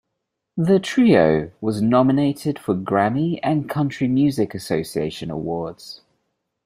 The trio was nominated for Grammy and Country Music Association awards.